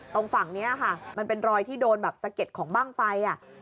ตรงฝั่งนี้ค่ะมันเป็นรอยที่โดนแบบสะเก็ดของบ้างไฟ